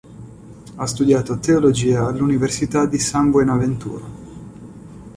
Ha studiato teologia all'Università di San Buenaventura.